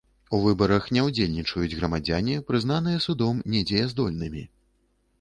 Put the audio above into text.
У выбарах не ўдзельнічаюць грамадзяне, прызнаныя судом недзеяздольнымі.